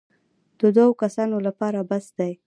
د دوو کسانو لپاره بس دی.